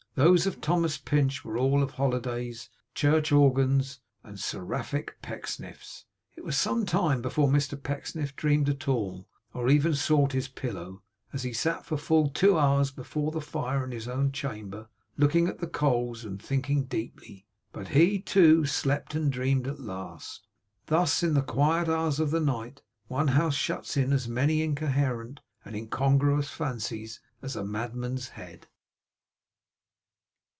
Those of Thomas Pinch were all of holidays, church organs, and seraphic Pecksniffs. It was some time before Mr Pecksniff dreamed at all, or even sought his pillow, as he sat for full two hours before the fire in his own chamber, looking at the coals and thinking deeply. But he, too, slept and dreamed at last. Thus in the quiet hours of the night, one house shuts in as many incoherent and incongruous fancies as a madman's head.